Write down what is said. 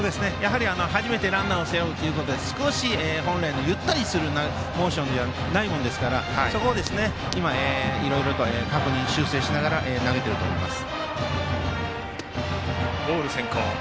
初めてランナーを背負うということで、本来のゆったりしたモーションじゃないものですからいろいろと確認、修正しながら投げていると思います。